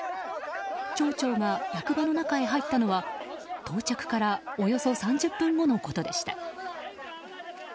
町長が役場の中へ入ったのは到着からおよそ３０分後のことでした。